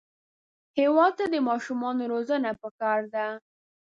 هېواد ته د ماشومانو روزنه پکار ده